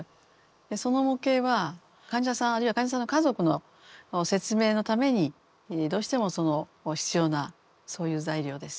その模型は患者さんあるいは患者さんの家族の説明のためにどうしてもその必要なそういう材料です。